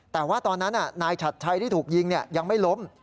แต่ว่าตอนนั้นนายฉัดชัยที่ถูกยิงยังไม่ล้ม